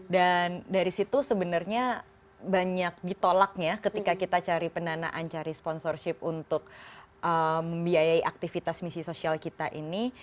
dan dari situ sebenarnya banyak ditolaknya ketika kita cari penanaan cari sponsorship untuk membiayai aktivitas misi sosial kita ini